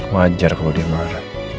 wajar kau dengar